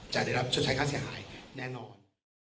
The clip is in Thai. จะได้รับชดใช้ค่าเสียหายแน่นอน